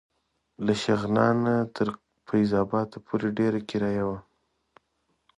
له شغنان نه تر فیض اباد پورې ډېره کرایه وه.